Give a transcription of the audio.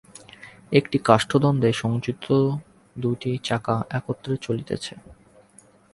একটি কাষ্ঠদণ্ডে সংযোজিত দুইটি চাকা একত্র চলিতেছে।